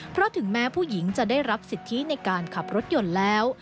เพราะถึงแม้ผู้หญิงจะได้รับสิทธิในการขับรถยนต์แล้ว